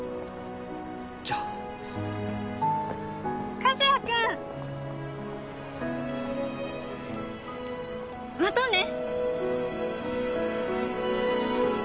じゃあ和也くん！またね！